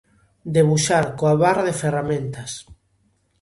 Debuxar coa barra de ferramentas.